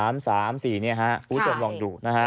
คุณผู้ชมลองดูนะฮะ